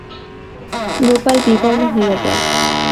গোপাল বিবর্ণ হইয়া যায়।